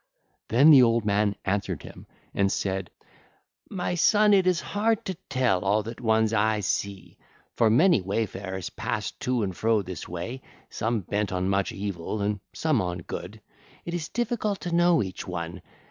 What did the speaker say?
(ll. 201 211) Then the old man answered him and said: 'My son, it is hard to tell all that one's eyes see; for many wayfarers pass to and fro this way, some bent on much evil, and some on good: it is difficult to know each one.